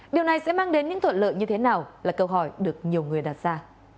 điều này sẽ mang đến những thuận lợi như thế nào là câu hỏi được nhiều người đặt ra